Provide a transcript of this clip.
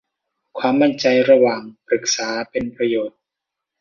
ความมั่นใจระหว่างปรึกษาเป็นประโยชน์